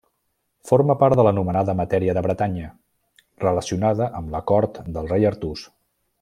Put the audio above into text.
Forma part de l'anomenada matèria de Bretanya, relacionada amb la cort del Rei Artús.